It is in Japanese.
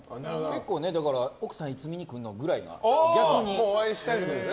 結構奥さんいつ見に来るのみたいな、逆に。